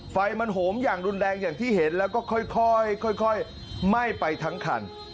ไฟมันโหมอย่างรุนแรงอย่างที่เห็นแล้วก็ค่อยไหม้ไปทั้งคัน